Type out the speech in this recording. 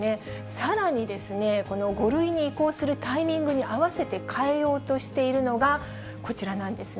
さらにですね、この５類に移行するタイミングに合わせて変えようとしているのが、こちらなんですね。